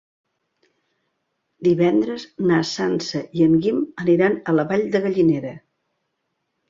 Divendres na Sança i en Guim aniran a la Vall de Gallinera.